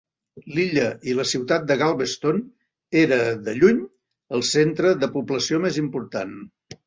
L'illa i la ciutat de Galveston era, de lluny, el centre de població més important.